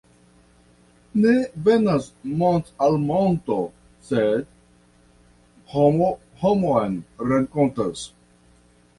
Ne venas mont' al monto, sed homo homon renkontas.